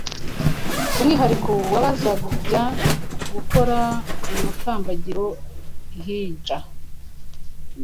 Umwihariko w’abazajya gukora umutambagiro Hijja